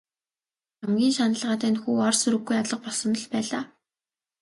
Хамгийн шаналгаатай нь хүү ор сураггүй алга болсонд л байлаа.